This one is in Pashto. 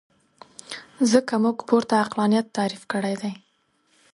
ځکه موږ پورته عقلانیت تعریف کړی دی.